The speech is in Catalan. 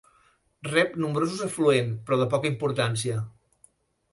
Rep nombrosos afluent però de poca importància.